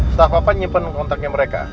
setelah papa nyimpen kontaknya mereka